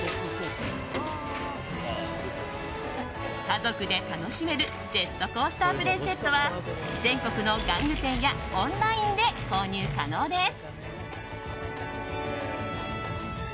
家族で楽しめるジェットコースタープレイセットは全国の玩具店やオンラインで購入可能です。